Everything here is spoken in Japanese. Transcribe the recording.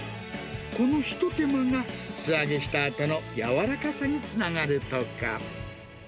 この一手間が素揚げしたあとの柔らかさにつながるとか。